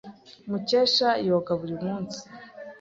Mukesha yoga buri munsi?